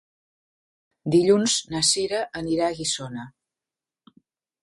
Dilluns na Sira anirà a Guissona.